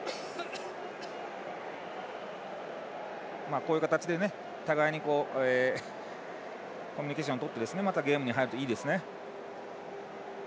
こういう形で互いにコミュニケーションとってまたゲームに入るといいですね。